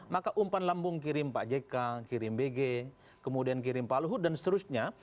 maka umpan lambung kirim pak jk kirim bg kemudian kirim pak luhut dan seterusnya